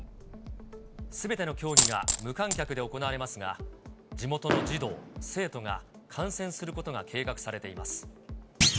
すべての競技が無観客で行われますが、地元の児童・生徒が観戦することが計画されています。